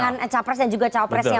pasangan capres dan juga cawapresnya